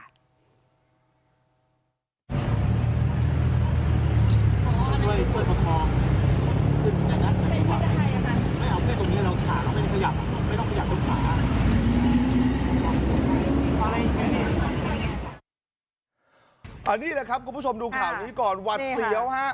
อันนี้แหละครับคุณผู้ชมดูข่าวนี้ก่อนหวัดเสียวฮะ